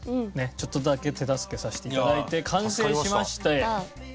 ちょっとだけ手助けさせて頂いて完成しまして。